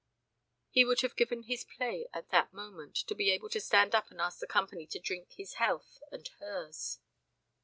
He would have given his play at that moment to be able to stand up and ask the company to drink his health and hers.